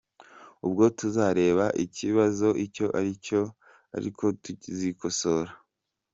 Ubwo tuzareba ikibazo icyo ari cyo, ariko tuzikosora.